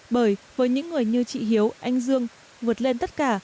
bởi với những người như chị hiếu anh dương vượt lên tất cả